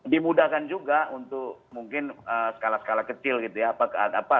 dimudahkan juga untuk mungkin skala skala kecil gitu ya